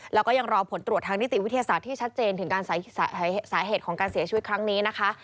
แล้วก็ยังรอผลตรวจทางนิติวิทยาศาสตร์ที่ชัดเจนถึงการสาเหตุของการเสียชีวิตครั้งนี้นะคะ